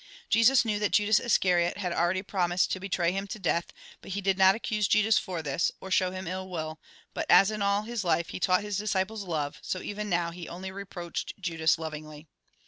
Jesus knew that Judas Iscariot had already pro mised to betray him to death, but he did not accuse Judas for this, or show him ill wdl, but as in all his life he taught his disciples love, so even now he only reproached Judas lovingly.